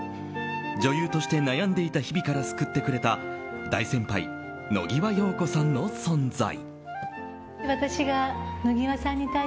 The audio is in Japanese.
女優として悩んでいた日々から救ってくれた大先輩・野際陽子さんの存在。